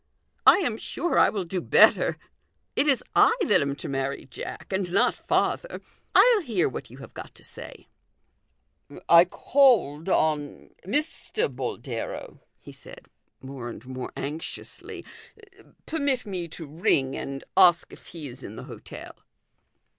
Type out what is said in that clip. "I am sure I will do better. It is I that am to marry Jack, and not father. I'll hear what you have got to say." "I called on Mr. Boldero," he said, more and more anxiously ;" permit me to ring and ask if he is in the hotel."